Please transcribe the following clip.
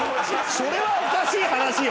それはおかしい話よ。